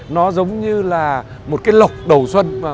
nó giống như là một cái lộc đầu xuân